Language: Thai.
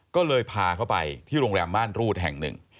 ก็เลยพาเขาไปที่โรงแรมม่านรูดแห่งหนึ่ง